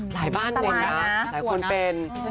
หลายบ้านในนะหลายคนเป็น